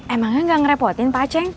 emangnya gak ngerepotin pak aceh